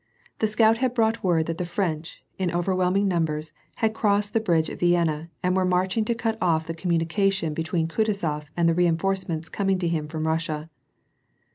The scout had brought word that the French, in overwhelming numbers, had crossed the bridge at Vienna and were marching to cut off the com munication between Kutuzof and the reinforcements coming to him from Russia.